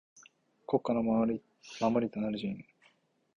国家の守りとなる臣。